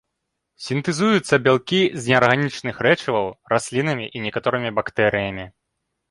Сінтэзуюцца бялкі з неарганічных рэчываў раслінамі і некаторымі бактэрыямі.